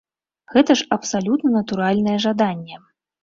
Гэта ж абсалютна натуральнае жаданне.